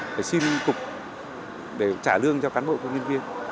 để xin cục để trả lương cho cán bộ nhân viên